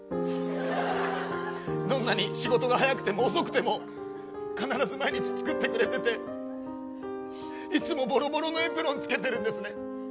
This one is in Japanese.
どんなに仕事が早くても遅くても必ず毎日作ってくれてていつもぼろぼろのエプロンを着けてるんですね。